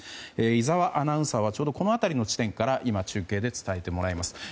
井澤アナウンサーからその辺りの地点から今中継で伝えてもらいます。